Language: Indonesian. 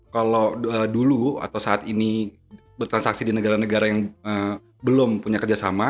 kalau dulu atau saat ini bertransaksi di negara negara yang belum punya kerjasama